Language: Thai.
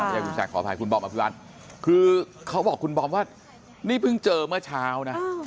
นี่คุณแจ๊กขออภัยคุณบอมอภิรัตคือเขาบอกคุณบอมว่านี่เพิ่งเจอเมื่อเช้านะ